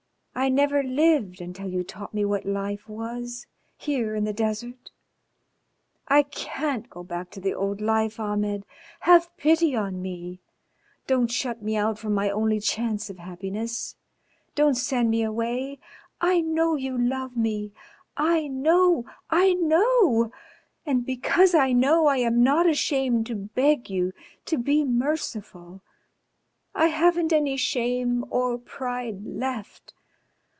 I never lived until you taught me what life was, here in the desert. I can't go back to the old life, Ahmed. Have pity on me. Don't shut me out from my only chance of happiness, don't send me away. I know you love me I know! I know! And because I know I am not ashamed to beg you to be merciful. I haven't any shame or pride left.